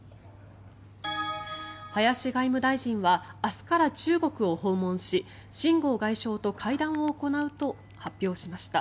林外務大臣は明日から中国を訪問し秦剛外相と会談を行うと発表しました。